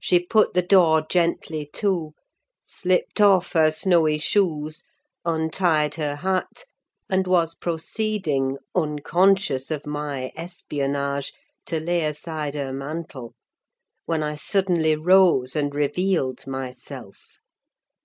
She put the door gently to, slipped off her snowy shoes, untied her hat, and was proceeding, unconscious of my espionage, to lay aside her mantle, when I suddenly rose and revealed myself.